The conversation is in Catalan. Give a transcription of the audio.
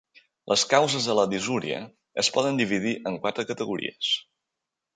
Les causes de la disúria es poden dividir en quatre categories.